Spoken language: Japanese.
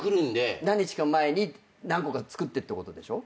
何日か前に何個か作ってってことでしょ。